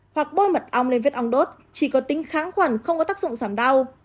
hoặc bôi mặt ong lên vết ong đốt chỉ có tính kháng khoản không có tác dụng giảm đau